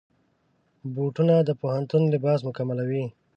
بوټونه د پوهنتون لباس مکملوي.